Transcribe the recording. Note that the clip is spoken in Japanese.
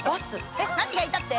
えっ何がいたって？